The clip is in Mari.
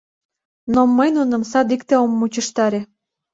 Но мый нуным садикте ом мучыштаре!